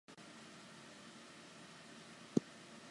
Elkarrizketa guztiak umore puntu batetik egiten dituzte.